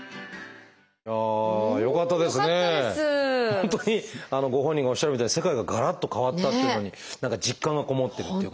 本当にご本人がおっしゃるみたいに世界がガラッと変わったっていうのに何か実感がこもってるっていうかね。